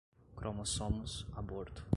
cromossomos, abortos